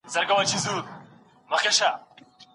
هغه اوږده پاڼه چي دلته وه، ډنډ ته یې وړي.